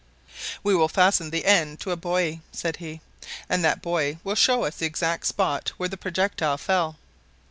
"we will fasten the end to a buoy," said he, "and that buoy will show us the exact spot where the projectile fell."